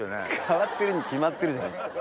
変わってるに決まってるじゃないですか。